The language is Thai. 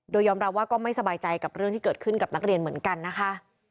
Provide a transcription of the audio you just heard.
โดยยอมรับว่าก็ไม่สบายใจกับเรื่องที่เกิดขึ้นกับนักเรียนเหมือนกันนะคะ